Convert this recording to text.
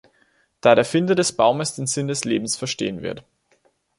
Da der Finder des Baumes, den Sinn des Lebens verstehen wird.